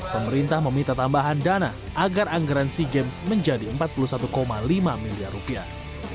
pemerintah meminta tambahan dana agar anggaran sea games menjadi empat puluh satu lima miliar rupiah